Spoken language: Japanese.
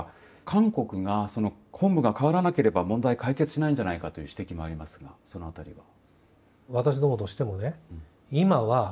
韓国が、本部が変わらなければ問題は解決しないんじゃないかという指摘もありますがその辺りは？